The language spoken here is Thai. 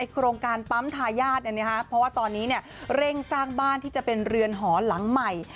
โครงการปั๊มทายาทเพราะว่าตอนนี้เร่งสร้างบ้านที่จะเป็นเรือนหอหลังใหม่